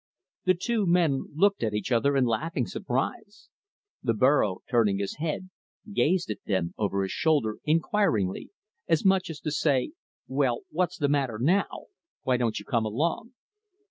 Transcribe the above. The two men looked at each other in laughing surprise. The burro, turning his head, gazed at them over his shoulder, inquiringly, as much as to say, "Well, what's the matter now? Why don't you come along?"